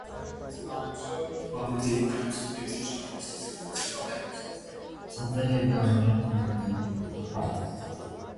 Ծնվել է գավառական գրագրի ընտանիքում։